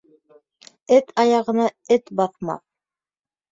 Эт аяғына эт баҫмаҫ.